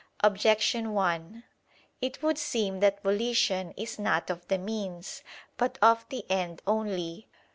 Objection 1: It would seem that volition is not of the means, but of the end only.